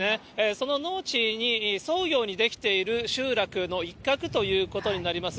その農地に沿うようにできている集落の一角ということになります。